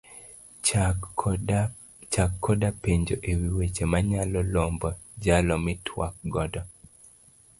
Chak koda penjo ewi weche manyalo lombo jalo mitwak godo